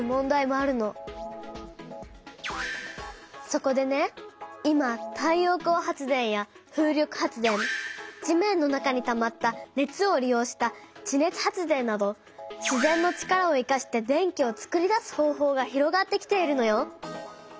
そこでね今太陽光発電や風力発電地面の中にたまった熱を利用した地熱発電などしぜんの力を生かして電気をつくり出す方法が広がってきているのよ。